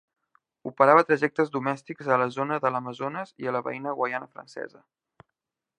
Operava trajectes domèstics a la zona de l'Amazones i a la veïna Guaiana Francesa.